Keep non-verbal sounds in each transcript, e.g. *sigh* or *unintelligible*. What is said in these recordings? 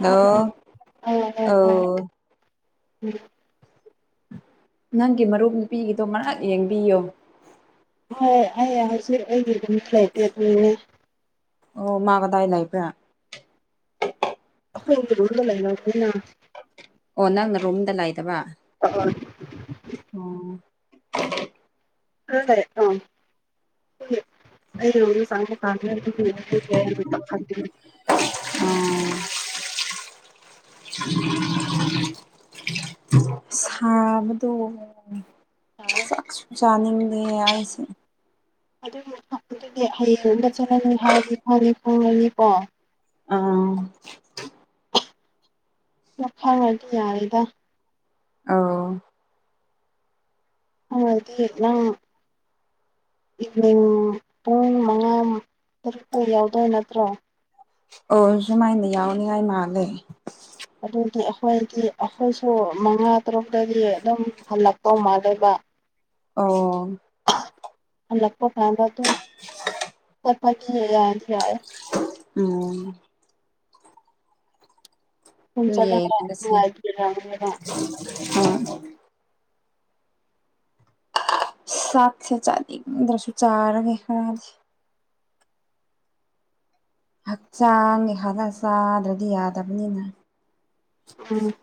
ꯇꯥꯕ꯭ꯔꯥ ꯑꯣꯥꯎ ꯍꯣꯏ ꯍꯣꯏ ꯍꯣꯏ ꯑꯣ ꯎꯝ ꯅꯪꯒꯤ ꯃꯔꯨꯞ ꯅꯨꯄꯤꯒꯤꯗꯣ ꯉꯛ ꯌꯦꯡꯕꯤꯌꯣ ꯍꯣꯏ ꯍꯣꯏ ꯑꯩ ꯍꯧꯖꯤꯛ ꯑꯩꯒꯤ ꯑꯗꯨꯝ ꯐ꯭ꯂꯦꯠꯇꯦꯠ ꯑꯣꯏꯔꯦ ꯑꯣ ꯃꯥꯒꯗꯥꯏ ꯂꯥꯏꯕ꯭ꯔꯥ ꯑꯈ ꯂꯗ ꯂꯩꯟꯅ ꯑꯣ ꯅꯪꯅ ꯔꯨꯝꯗ ꯂꯥꯏꯗꯕ ꯑ ꯑꯣꯝ ꯍꯗꯔꯦ ꯑꯥ *inaudible* ꯎꯝ ꯁꯥꯕꯗ ꯥꯛ ꯁ ꯆꯥꯅꯤꯡꯗꯦ ꯍꯥꯏꯁꯦ ꯑꯗꯨ ꯑꯗꯨꯗꯤ ꯍꯌꯦꯡ ꯔꯣꯝꯗ ꯆꯠꯂꯅꯤ ꯍꯥꯏꯔꯗꯤ ꯈꯔꯤ ꯄꯨꯔꯅꯤꯀꯣ ꯑꯥ ꯋꯥꯈꯥꯡꯉꯗꯤ ꯌꯥꯔꯤꯦꯗ ꯑꯥꯎ ꯑꯗꯤ ꯂ ꯄꯨꯡ ꯃꯉꯥ ꯇꯔꯨꯛꯇ ꯌꯥꯎꯗꯣꯏ ꯅꯠꯇ꯭ꯔꯣ ꯑꯣ ꯁꯨꯃꯥꯏꯅ ꯌꯥꯎꯅꯤꯡꯉꯥꯏ ꯃꯥꯜꯂꯦ ꯑꯗꯨꯗꯤ ꯑꯩꯈꯣꯏꯗꯤ ꯑꯩꯈꯣꯏꯁꯨ ꯃꯉꯥ ꯇꯔꯨꯛꯇꯗꯤ ꯑꯗꯨꯝ ꯍꯜꯂꯛꯄꯧ ꯃꯥꯜꯂꯦꯕ ꯑꯣ ꯂꯛꯄꯣ ꯐꯥꯗ ꯑꯗꯨ ꯀꯄꯥꯀꯤ ꯍꯥꯏ ꯌꯥꯁꯤ ꯌꯥꯏ ꯎꯝ ꯁꯨꯝ ꯏꯌꯦ ꯆꯠꯂꯒ ꯅꯨꯡꯉꯥꯏꯕꯤꯔꯝꯅꯦꯕ ꯁꯥꯠꯁꯦ ꯆꯂꯤ ꯄꯗ꯭ꯔꯁꯨ ꯆꯥꯒ ꯈꯔ ꯍꯛꯆꯥꯡꯒꯤ ꯍꯥꯟꯂ ꯆꯥꯗ꯭ꯔꯗꯤ ꯌꯥꯗꯕꯅꯤꯅ ꯎꯝ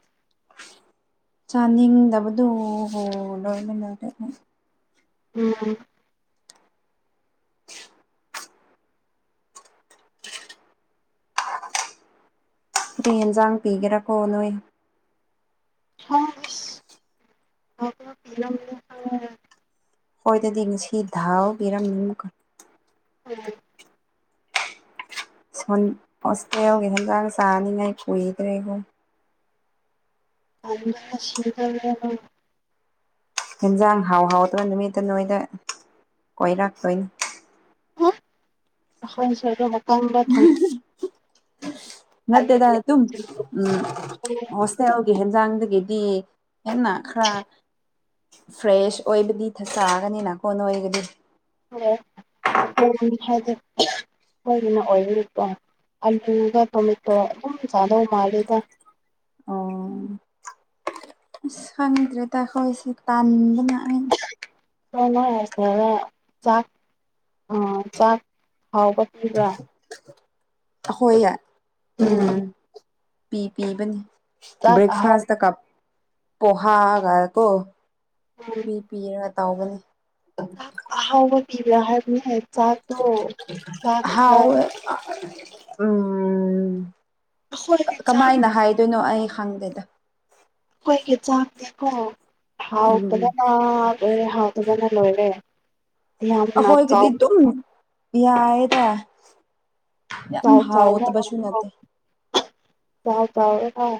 ꯆꯥꯅꯤꯡꯗꯕꯗꯨ ꯍ ꯂꯣꯏꯔꯣꯏ ꯂꯣꯏꯒ ꯎꯝ ꯑꯗꯨ ꯌꯦꯟꯖꯥꯡ ꯄꯤꯒꯦꯔꯥꯀꯣ ꯅꯣꯏ *inaudible* ꯍꯣꯏ ꯑꯗꯨꯗꯤ ꯉꯁꯤ ꯥꯎ ꯄꯤꯔꯝꯅꯤ ꯑꯃꯨꯛꯀ ꯎꯝ ꯍꯣꯁꯇꯦꯜ ꯌꯒꯤ ꯍꯟꯖꯥꯡ ꯆꯥꯅꯤꯡꯉꯥꯏ ꯀꯨꯏꯗ꯭ꯔꯦꯕꯣ ꯑ ꯁꯤꯒꯗꯅ ꯍꯦꯟꯖꯥꯡ ꯍꯥꯎ ꯍꯥꯎꯗꯅ ꯅꯨꯃꯤꯠꯇ ꯅꯣꯏꯗ ꯀꯣꯏꯔꯛꯇꯣꯏꯅꯤ ꯑ ꯑꯩ ꯁꯣ ꯍꯀꯝꯕ ꯊ ꯅꯠꯇꯦꯗꯅ ꯑꯗꯨꯝ ꯎꯝ ꯍꯣꯁꯇꯦꯜꯒꯤ ꯍꯦꯟꯖꯥꯡꯗꯒꯤꯗꯤ ꯑꯟꯅ ꯈꯔ ꯐ꯭ꯔꯦꯁ ꯑꯣꯏꯕꯗꯤ ꯊꯛꯆꯒꯅꯤꯅ ꯀꯣꯟ ꯅ ꯑꯣꯏꯒꯗꯤ ꯍ ꯈꯗꯦ ꯍꯣꯏꯗꯅ ꯑꯣꯏꯀꯣ ꯑꯜꯂꯨꯒ ꯇꯣꯃꯦꯇꯣ ꯑꯗꯨꯝ ꯥꯗ ꯃꯥꯜꯂꯦꯗ ꯁꯗ꯭ꯔ ꯇꯈꯣꯏꯁ ꯇꯥꯟꯗꯅ ꯁꯅꯥꯁꯤꯗ ꯆꯥꯛ ꯑ ꯆꯥꯛ ꯍꯥꯎꯕ ꯄꯤꯕ꯭ꯔꯥ ꯍꯣꯏ ꯌꯥꯏ ꯎꯝ ꯄꯤ ꯄꯤꯕꯅꯤ ꯆꯥꯛ ꯑꯍꯥꯎ ꯕ꯭ꯔꯦꯛꯐꯥꯁꯇ *inaudible* ꯄꯣꯍꯥꯒꯅ ꯀꯣ *unintelligible* ꯃꯤ ꯄꯤꯔ ꯇꯧꯎꯕꯅꯤ ꯑꯍꯥꯎꯕꯤꯕꯔ ꯍꯥꯏꯔꯅꯦ ꯆꯥꯇꯣ *inaudible* ꯍꯥꯎꯋꯦ ꯎꯝ ꯑꯩꯈꯣꯏꯒꯤ ꯆꯥꯛ ꯀꯃꯥꯏꯅ ꯍꯥꯏꯗꯣꯏꯅꯣ ꯑꯩ ꯍꯪꯗꯦ ꯑꯩꯈꯣꯏꯒꯤ ꯆꯥꯛꯇꯤꯀꯣ ꯎꯝ ꯍꯥꯎꯇꯕꯅ ꯂꯣꯏꯔꯦ ꯍꯥꯎꯇꯕꯅ ꯂꯣꯏꯔꯦ ꯌꯥꯝꯅ ꯑꯩꯈꯣꯏꯒꯤꯗꯤ ꯆꯥꯎ ꯗꯨꯝ ꯌꯥꯌꯦꯗ ꯌꯥꯝ ꯍꯥꯎ ꯇꯕꯁꯨ ꯅꯠꯇꯦ *inaudible*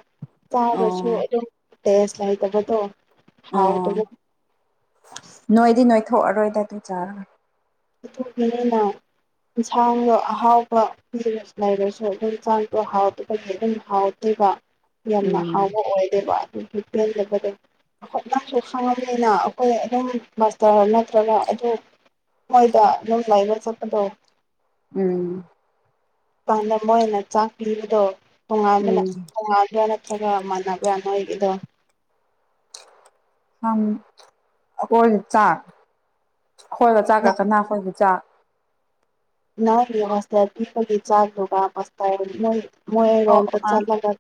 ꯆꯕꯁꯨ ꯑꯥ ꯑꯗꯨꯝ ꯇꯦꯁ ꯂꯩꯥꯏ ꯇꯕꯇꯣ ꯑꯥ ꯑꯁ ꯅꯣꯏꯗꯤ ꯅꯣꯏꯊꯣꯛꯑꯔꯣꯏꯗ ꯑꯗꯨ *inaudible* *unintelligible* ꯌꯦꯟꯁꯥꯡꯗꯣ ꯑꯍꯥꯎꯕ ꯄꯤꯔꯁꯨ ꯂꯩꯔꯁꯨ ꯑꯗꯨꯝ ꯌꯦꯟꯁꯥꯡꯗꯣ ꯍꯥꯎꯇꯕꯗꯒꯤ ꯑꯗꯨꯝ *inaudible* *inaudible* ꯌꯥꯝꯅ ꯎꯝ ꯍꯥꯎꯕ ꯑꯣꯏꯗꯦꯕ ꯑꯗꯨ ꯄꯦꯟꯗꯕꯗꯨ *inaudible* ꯈꯪꯉꯕꯅꯤꯅ ꯑꯩꯈꯣꯏ ꯑꯗꯨꯝ ꯃꯥꯁꯇꯔ ꯅꯠꯇ꯭ꯔꯒ ꯑꯗꯨ ꯍꯣꯏꯕ ꯅꯪꯒ ꯑꯩꯒ ꯆꯠꯄꯗꯣ ꯎꯝ ꯥ *inaudible* ꯃꯣꯏꯅ ꯆꯥꯛ ꯄꯤꯕꯗꯣ ꯇꯣꯉꯥꯟꯕꯅ ꯎꯝ *unintelligible* ꯈꯔ ꯃꯥꯟꯅꯕ꯭ꯔꯥ ꯅꯣꯏꯒꯤꯗꯣ *inaudible* ꯑꯩꯈꯣꯏꯒꯤ ꯆꯥꯛ *inaudible* *inaudible* *inaudible* ꯑꯣ ꯑꯣ ꯃꯣꯏꯔꯣꯝꯗ ꯑꯥ ꯆꯠꯂꯒ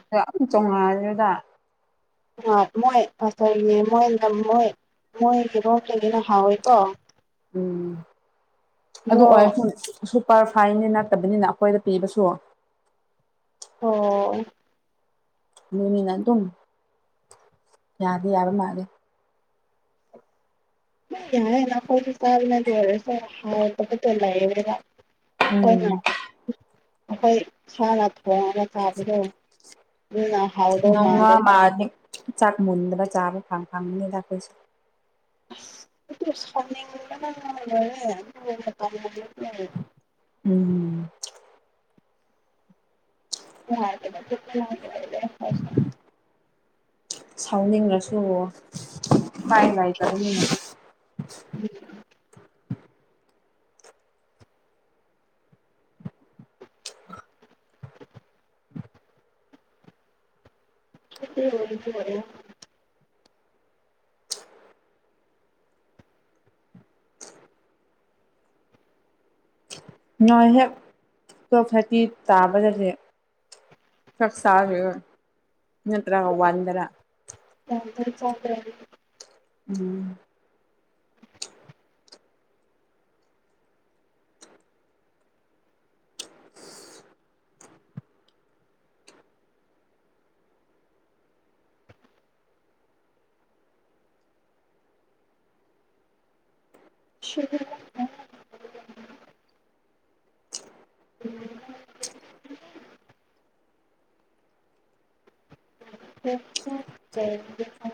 *unintelligible* ꯌꯥꯝ ꯇꯣꯡꯉꯥꯟꯂꯦꯗ ꯃꯣꯏ *inaudible* ꯃꯣꯏ ꯂꯝꯃꯣꯏ ꯃꯣꯏ *inaudible* ꯍꯥꯎꯋꯦꯀꯣ ꯎꯝ ꯑꯗꯨ ꯑꯗꯣ *inaudible* ꯁꯨꯄꯔ ꯐꯥꯏꯟ ꯅꯠꯇꯕꯅꯤꯅ ꯑꯩꯈꯣꯏꯗ ꯄꯤꯕꯁꯨ ꯑꯣ *inaudible* ꯑꯗꯨꯝ ꯌꯥꯗꯤ ꯌꯥꯕ ꯃꯥꯜꯂꯦ *inaudible* ꯂꯣꯏꯔꯁꯨ ꯍꯥꯎꯕꯠꯇꯣ ꯂꯩꯌꯦꯅ ꯑꯩꯈꯣꯏꯅ ꯎꯝ ꯑꯩꯈꯣꯏ ꯏꯁꯥꯅ ꯊꯣꯡꯉꯒ ꯆꯥꯕꯗꯣ *unintelligible* ꯃꯥꯜꯂꯦ *unintelligible* ꯆꯥꯛ ꯃꯨꯟꯗꯕ ꯆꯥꯕ *unintelligible* ꯑꯁ *unintelligible* ꯎꯝ *unintelligible* ꯁꯥꯎꯅꯤꯡꯂꯁꯨ ꯎꯄꯥꯏ ꯂꯩꯇꯕꯅꯤꯅꯦ *unintelligible* *unintelligible* ꯅꯣꯏ ꯍꯦꯛ *unintelligible* ꯇꯥꯕꯗꯗꯤ *unintelligible* ꯅꯠꯇ꯭ꯔꯒ ꯋꯥꯟꯗꯔ *unintelligible* *unintelligible* *unintelligible* *unintelligible*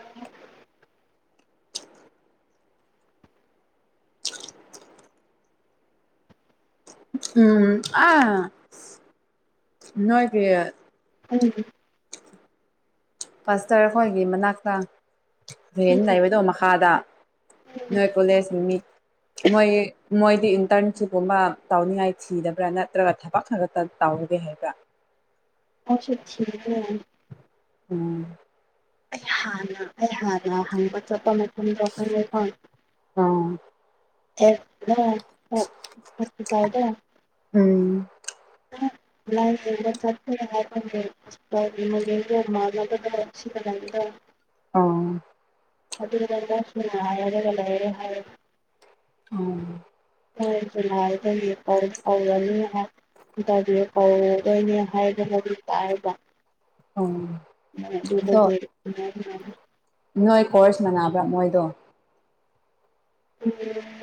ꯎꯝ ꯑꯥ ꯅꯣꯏꯒꯤ ꯎꯝ ꯄꯥꯁꯇ꯭ꯔꯈꯣꯏꯒꯤ ꯃꯅꯥꯛꯇ ꯔꯦꯟ ꯂꯩꯕꯗꯣ ꯃꯈꯥꯗ ꯅꯣꯏ ꯀꯣꯂꯦꯁꯀꯤ ꯃꯤ ꯃꯣꯏ ꯃꯣꯏꯗꯤ ꯏꯟꯇꯔꯟꯁꯤꯞꯀꯨꯝꯕ ꯇꯥꯎꯅꯤꯡꯉꯥꯏ ꯊꯤꯗꯕ꯭ꯔꯥ ꯅꯠꯇ꯭ꯔꯒ ꯊꯕꯛ *unintelligible* ꯇꯥꯎꯒꯦ ꯍꯥꯏꯕꯔ *unintelligible* ꯎꯝ ꯑꯩ ꯍꯥꯟꯅ ꯑꯩ ꯍꯥꯟꯅ ꯍꯪꯕ ꯆꯠꯄ ꯃꯇꯝꯗ *unintelligible* ꯑꯣ *unintelligible* ꯎꯝ *unintelligible* *unintelligible* ꯑꯣ *unintelligible* ꯑꯣ ꯍꯣꯏꯖꯅꯅꯤ ꯇꯧ ꯀꯧꯔꯗꯣꯏꯅꯦ ꯍꯥꯏꯗꯅꯖꯤ ꯇꯥꯛꯑꯕ ꯎꯝ ꯑꯗꯣ ꯑꯗꯨꯗꯗꯤ ꯅꯣꯏ ꯀꯣꯔꯁ ꯃꯕ꯭ꯔꯥ ꯃꯣꯏꯗꯣ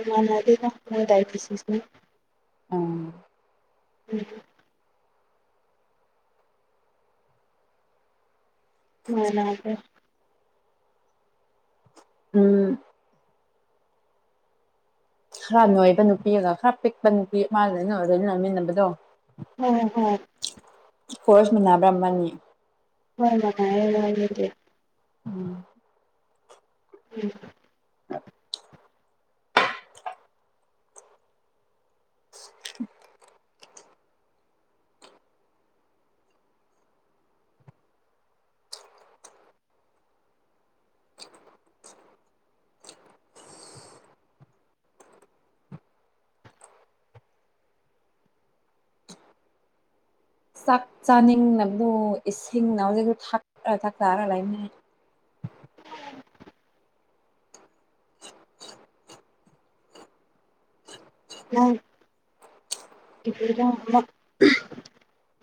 ꯎ ꯃꯥꯅꯗ ꯃꯣꯏꯗꯕꯤꯁꯤ ꯎꯝ ꯎꯝ ꯍꯣꯏ ꯂ ꯐꯦ ꯎꯝ ꯈꯔ ꯅꯣꯏꯕ ꯅꯨꯄꯤꯒ ꯈꯔ ꯄꯤꯛꯄ ꯅꯨꯄꯤ ꯃꯥꯅꯣꯏꯩꯅ ꯂꯣꯏ ꯅꯣꯏꯃꯤꯟꯅꯕꯗꯣ ꯑꯣꯝ ꯍꯝ ꯀꯣꯔꯣꯔꯁ ꯃꯨꯅꯥꯕ꯭ꯔꯃꯅꯤ ꯍꯣꯏ ꯃꯉꯥꯏꯉ ꯂꯩꯗꯤꯦ ꯎꯝ ꯎꯝ ꯎ ꯆꯥꯛ ꯆꯥꯅꯤꯡꯅꯕꯕꯨ ꯏꯁꯤꯡꯅ ꯍꯧꯖꯤꯛꯁꯨ ꯊ ꯊꯛ ꯂꯥꯏꯅ ꯑ ꯏꯗꯃ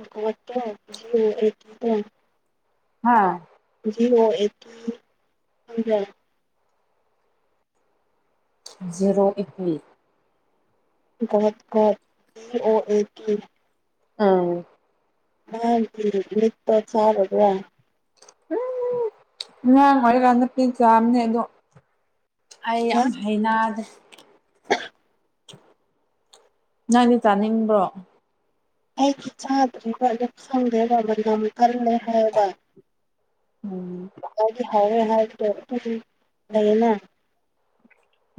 ꯠꯇꯠꯇ ꯍꯥꯥ ꯑꯣ ꯖꯤꯔꯣ ꯑꯦꯄ꯭ꯔꯤꯜ ꯠ ꯠ ꯑꯣ ꯑꯦ ꯎꯝ ꯃꯥ ꯂꯤ ꯆꯕ ꯎꯝ ꯉꯔꯥꯡ ꯑꯣꯏꯔꯀꯥꯟꯗ ꯄꯦꯟ ꯆꯥꯝꯅꯦ ꯑꯗꯣ ꯑꯩ ꯍꯥ ꯌꯥꯝ ꯍꯩꯅꯗꯦ ꯅꯪꯗꯤ ꯆꯥꯅꯤꯡꯕ꯭ꯔꯣ ꯑꯩꯗꯤ ꯆꯥꯗ꯭ꯔꯤꯕ ꯑꯗꯨ ꯈꯪꯗ꯭ꯔꯦꯕ ꯃꯅꯝ ꯀꯜꯂꯦ ꯍꯥꯏꯕ ꯎꯝ ꯍ ꯍꯥꯏꯥꯎ ꯂꯩ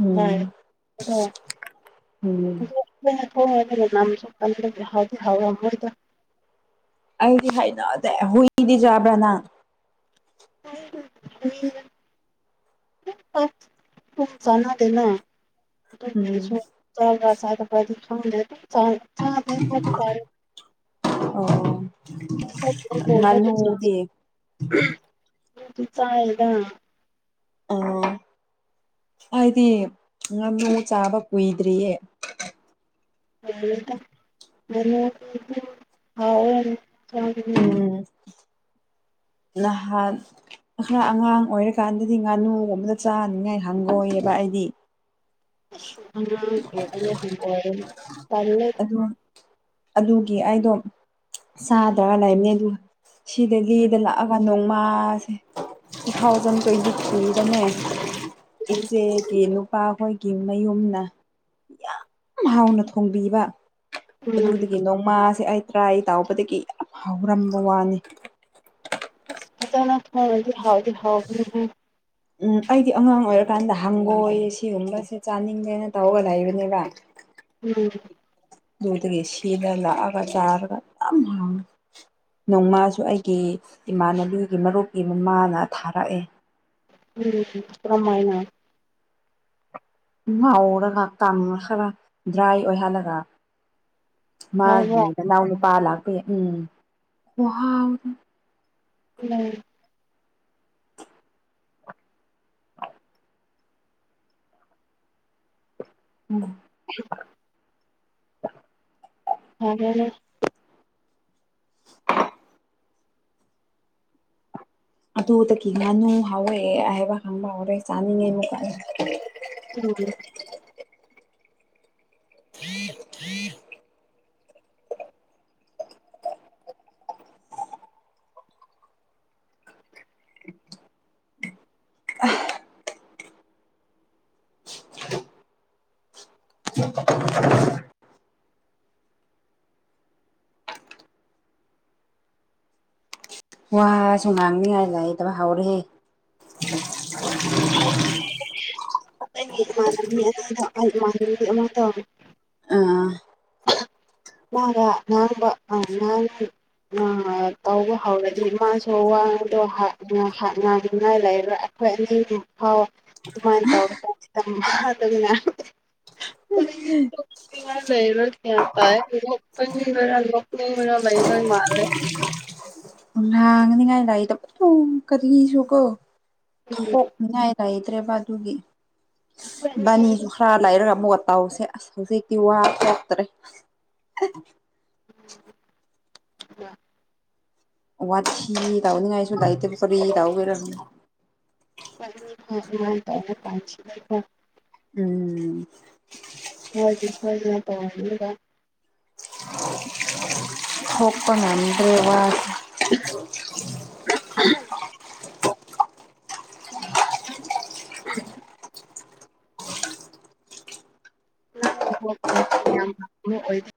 ꯎꯝ ꯍꯣꯏ ꯎꯝ ꯍ ꯊꯣꯡꯉꯅ ꯅꯝꯁꯨ ꯀꯟꯗꯗꯤ ꯍꯥꯎꯗꯤ ꯍꯥꯎꯋ ꯍꯣꯏꯗ ꯑꯩꯗꯤ ꯍꯥꯏꯩꯅꯗ ꯍꯨꯏꯗꯤ ꯌꯥꯕ꯭ꯔꯥ ꯅꯪ ꯎ ꯄ ꯄꯁꯅꯗꯅ ꯎꯝ *unintelligible* ꯑꯣ ꯆꯥꯏꯗ ꯉꯅꯨ ꯂꯣꯏꯔꯦꯗ ꯎꯔꯗꯤꯌꯦ ꯆꯥꯏꯗ ꯑ ꯍꯥꯏꯗꯤ ꯉꯥꯅꯨ ꯆꯥꯕ ꯀꯨꯏꯗ꯭ꯔꯤꯌꯦ *unintelligible* ꯎꯝ ꯅꯍꯥꯟ ꯈꯔ ꯑꯉꯥꯡ ꯑꯣꯏꯔꯀꯥꯟꯗꯗꯤ ꯉꯥꯅꯨꯒꯨꯝꯕꯗ ꯆꯥꯅꯤꯡꯉꯥꯏ ꯍꯪꯒꯣꯏꯑꯕ ꯑꯩꯗꯤ *unintelligible* ꯑꯗꯨ ꯑꯗꯨꯒꯤ ꯑꯩꯗꯣ ꯁꯥꯗ꯭ꯔꯒ ꯂꯩꯕꯅꯦ ꯑꯗꯨꯒ ꯁꯤꯗ ꯂꯤ ꯎꯝ ꯂꯥꯛꯑꯒ ꯅꯣꯡꯃꯥ ꯇꯨ ꯊꯥꯎꯖꯟ ꯇꯌꯦꯟꯇꯤ ꯊ꯭ꯔꯤꯗꯅꯦ ꯏꯆꯦꯒꯤ ꯅꯨꯄꯥꯍꯣꯏꯒꯤ ꯃꯌꯨꯝꯅ ꯌꯥꯝ ꯍꯥꯎꯅ ꯊꯣꯡꯕꯤꯕ ꯑꯗꯨꯗꯒꯤ ꯅꯣꯡꯃꯥꯁꯦ ꯑꯩ ꯇ꯭ꯔꯥꯏ ꯇꯥꯎꯕꯗꯒꯤ ꯌꯥꯝ ꯍꯥꯎꯔꯝꯕ ꯋꯥꯅꯤ ꯐꯖꯅ ꯊꯣꯡꯉꯗꯤ ꯍꯥꯎꯗꯤ ꯍꯥꯎꯕꯅꯦꯍꯦ ꯎꯝ ꯑꯩꯗꯤ ꯑꯉꯥꯡ ꯑꯣꯏꯔꯀꯥꯟꯗ ꯍꯪꯒꯣꯏ ꯁꯤꯒꯨꯝꯕꯁꯦ ꯆꯥꯅꯤꯡꯗꯦꯅ ꯇꯧꯔꯒ ꯂꯩꯕꯅꯦꯕ ꯎꯝ ꯑꯗꯨꯗꯒꯤ ꯁꯤꯗ ꯂꯥꯛꯑꯒ ꯌꯥꯝ ꯍꯥꯎꯏ ꯅꯣꯡꯃꯥꯁꯨ ꯑꯩꯒꯤ ꯏꯃꯥꯟꯅꯕꯤꯒꯤ ꯃꯔꯨꯞꯀꯤ ꯃꯃꯥꯅ ꯊꯥꯔꯛꯑꯦ ꯎꯝ ꯀꯃꯥꯏꯅ ꯉꯥꯎꯔꯒ ꯇꯥꯡ ꯈꯔ ꯗ꯭ꯔꯥꯏ ꯑꯣꯏꯍꯜꯂꯒ ꯃꯥꯒꯤ ꯍꯥꯎꯕ꯭ꯔꯥ ꯅꯅꯥꯎ ꯅꯨꯄꯥ ꯂꯥꯛꯄ ꯎꯝ ꯋꯥꯎ ꯎꯝ ꯎꯝ *unintelligible* *unintelligible* ꯑꯗꯨꯗꯒꯤ ꯉꯥꯅꯨ ꯍꯧꯔꯛꯑꯦ ꯍꯥꯏꯕ ꯈꯪꯕ ꯍꯧꯔꯛꯦ ꯆꯥꯅꯤꯡꯉꯦ ꯑꯃꯨꯛꯀ ꯎꯝ *unintelligible* ꯋꯥꯁꯨ ꯉꯥꯡꯅꯤꯡꯉꯥꯏ ꯂꯩꯇꯕ ꯍꯧꯔꯦꯍꯦ ꯑꯩꯒꯤ ꯏꯃꯥꯟꯅꯕꯤ ꯑꯅꯤꯗ ꯑꯩ ꯏꯃꯥꯟꯅꯕꯤ ꯑꯃꯗꯣ ꯑꯥ ꯃꯥꯅ ꯉꯥꯡꯕ *unintelligible* ꯑ ꯇꯧꯕ ꯍꯧꯔꯗꯤ ꯃꯥꯁꯨ ꯋꯥꯗꯣꯅꯉꯥꯏ ꯂꯩꯔꯥ ꯍꯣꯏ ꯑꯅꯤꯃꯨꯛ ꯐꯥꯎ ꯑꯗꯨꯃꯥꯏꯅ ꯇꯧꯔꯀꯥꯟꯁꯤꯗ ꯃꯥꯗꯧꯅ *unintelligible* ꯌꯥꯝ ꯄꯥꯏ ꯅꯣꯛꯅꯤꯡꯉꫪ ꯅꯣꯛꯅꯤꯡꯉꯔ ꯂꯩꯕ ꯃꯥꯜꯂꯦ ꯥꯍꯪꯅꯤꯡꯉꯥꯏ ꯂꯩꯗ ꯑꯗꯨꯝ ꯀꯔꯤꯁꯨ ꯀꯣ ꯊꯣꯛꯅꯤꯉꯥꯏ ꯂꯩꯗ꯭ꯔꯦ ꯄ ꯑꯗꯨꯒꯤ ꯏꯕꯥꯅꯤ ꯈꯔ ꯂꯩꯔꯒ ꯑꯃꯨꯛꯀ ꯇꯥꯎꯁꯦ ꯑꯁ ꯍꯧꯖꯤꯛꯇꯤ ꯋꯥ ꯊꯣꯛꯇꯔꯦ *unintelligible* ꯋꯥꯊꯤ ꯇꯥꯎꯅꯤꯡꯉꯥꯏꯁꯨ ꯂꯥꯛꯏꯇꯦꯕꯨ ꯀꯔꯤ ꯇꯧꯒꯦꯔ *unintelligible* ꯎꯝ ꯎꯝ *unintelligible* ꯊꯣꯛꯄ ꯉꯝꯗ꯭ꯔꯦ ꯋꯥ *unintelligible* *unintelligible*